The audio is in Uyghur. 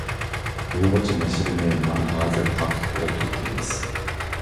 ئۇيغۇرچە نەشرىنى مانا ھازىر تارقىتىپ ئولتۇرۇپتىمىز.